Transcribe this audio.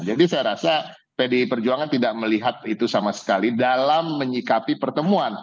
jadi saya rasa pdi perjuangan tidak melihat itu sama sekali dalam menyikapi pertemuan